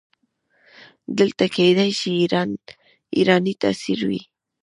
دلته کیدای شي ایرانی تاثیر وي.